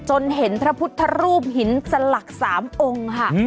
จนเห็นพระพุทธรูปหินสลัก๓องค์ค่ะ